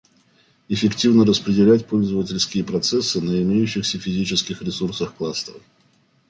Эффективно распределять пользовательские процессы на имеющихся физических ресурсах кластера